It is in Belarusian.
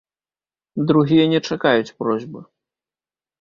Другія не чакаюць просьбы.